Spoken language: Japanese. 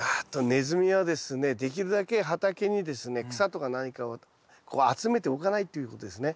ネズミはですねできるだけ畑にですね草とか何かをこう集めておかないっていうことですね。